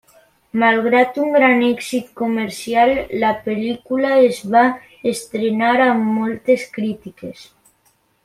Malgrat un gran èxit comercial, la pel·lícula es va estrenar amb moltes crítiques.